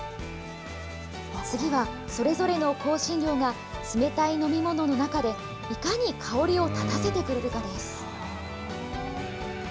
次は、それぞれの香辛料が、冷たい飲み物の中で、いかに香りを立たせてくれるかです。